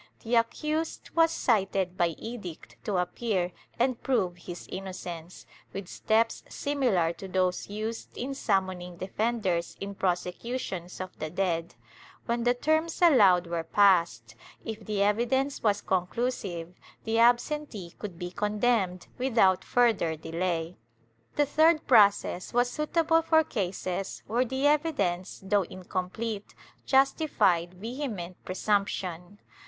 The accused was cited by edict to appear and prove his innocence, with steps simi lar to those used in summoning defenders in prosecutions of the dead; when the terms allowed were passed, if the evidence was conclusive, the absentee could be condemned without further delay. The third process was suitable for cases where the evidence, though incomplete, justified vehement presumption.